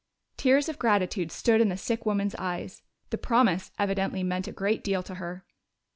Tears of gratitude stood in the sick woman's eyes; the promise evidently meant a great deal to her.